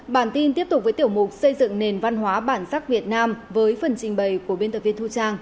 bản tin tiếp tục với tiểu mục xây dựng nền văn hóa bản sắc việt nam với phần trình bày của biên tập viên thu trang